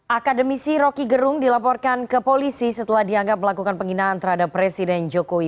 akademisi roky gerung dilaporkan ke polisi setelah dianggap melakukan penghinaan terhadap presiden jokowi